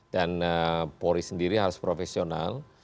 dan polri sendiri harus profesional